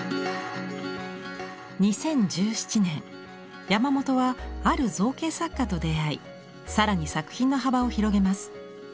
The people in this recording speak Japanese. ２０１７年山本はある造形作家と出会い更に作品の幅を広げます。